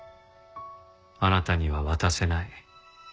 あなたには渡せない。